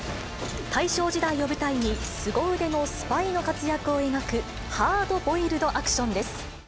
大正時代を舞台に、すご腕のスパイの活躍を描く、ハードボイルドアクションです。